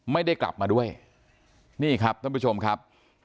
ไม่ได้กลับมาด้วยนี่ครับท่านผู้ชมครับ